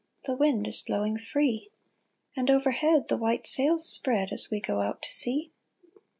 The wind is blowing free, And overhead the white sails spread As we go out to sea."